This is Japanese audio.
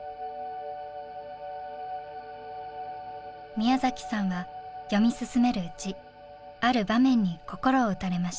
宮さんは読み進めるうちある場面に心を打たれました。